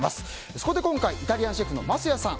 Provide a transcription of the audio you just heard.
そこで今回イタリアンシェフの桝谷さん